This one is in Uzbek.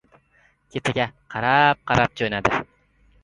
Ketiga qarab-qarab jo‘nadi.